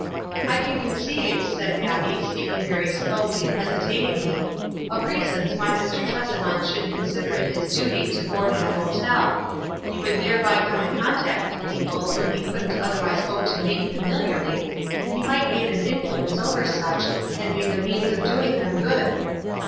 "I can conceive,"' said Abbie, speaking very slowly and hesitatingly, "of reasons why Mr. Tresevant should consider it his duty to board in a hotel — he would thereby come in contact with people whom he couldn't otherwise hope to meet familiarly, and he might gain an influence 172 WISE AND OTHERWISE. over such, and be the means of doing them good."